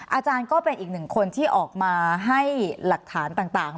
อาจารย์ก็เป็นอีกหนึ่งคนที่ออกมาให้หลักฐานต่าง